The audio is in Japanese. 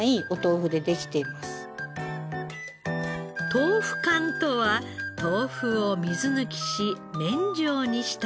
豆腐干とは豆腐を水抜きし麺状にしたもの。